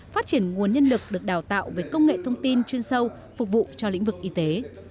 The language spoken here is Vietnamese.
phát triển nguồn nhân lực được đào tạo về công nghệ thông tin chuyên sâu phục vụ cho lĩnh vực y tế